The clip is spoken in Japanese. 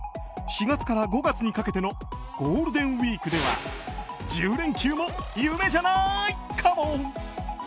４月から５月にかけてのゴールデンウィークでは１０連休も夢じゃないかも。